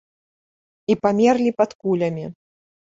І памерлі пад кулямі.